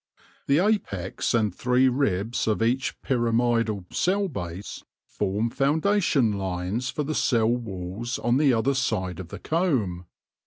The apex and three ribs of each pyramidal cell base form founda tion lines for the cell walls on the other side of the comb.